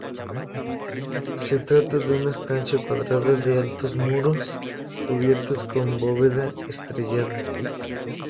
Se trata de una estancia cuadrada, de altos muros, cubierta con bóveda estrellada.